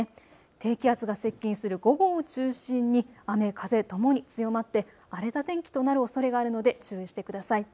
低気圧が接近する午後を中心に雨、風ともに強まって荒れた天気となるおそれがあるので注意してください。